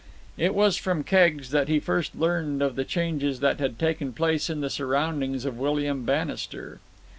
It was from Keggs that he first learned of the changes that had taken place in the surroundings of William Bannister.